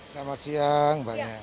selamat siang mbak nia